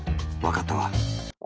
わかったわ。